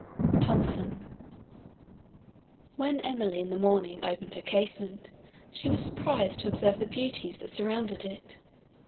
THOMSON When Emily, in the morning, opened her casement, she was surprised to observe the beauties, that surrounded it.